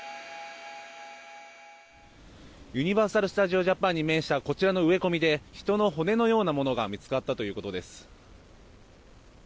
ユニバーサル・スタジオ・ジャパンに面したこちらの植え込みで人の骨のようなものが見つかったということです。